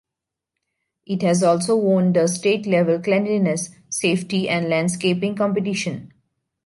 It has also won the state level cleanliness, safety and landscaping competition.